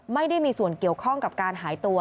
ไม่ได้มีส่วนเกี่ยวข้องกับการหายตัว